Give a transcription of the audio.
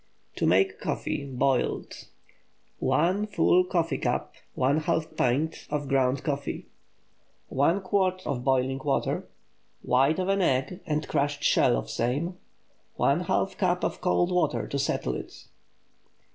TO MAKE COFFEE (boiled.) 1 full coffee cup (½ pint) of ground coffee. 1 quart of boiling water. White of an egg, and crushed shell of same. ½ cup of cold water to settle it.